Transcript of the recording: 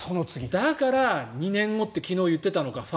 だから２年後って昨日、言っていたのか。